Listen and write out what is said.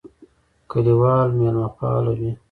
کلیوال مېلمهپاله وي.